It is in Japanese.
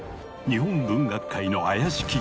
日本文学界の妖しき